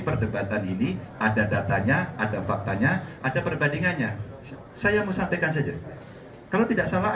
perdebatan ini ada datanya ada faktanya ada perbandingannya saya mau sampaikan saja kalau tidak salah